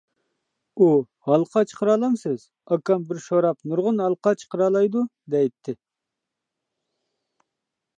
ئۇ «ھالقا چىقىرالامسىز؟ ئاكام بىر شوراپ نۇرغۇن ھالقا چىقىرالايدۇ» دەيتتى.